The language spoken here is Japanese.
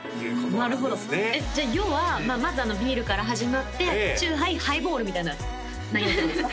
なるほどじゃあ要はまずビールから始まってチューハイハイボールみたいな内容ってことですか？